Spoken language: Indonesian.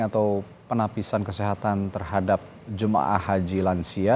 atau penapisan kesehatan terhadap jemaah haji lansia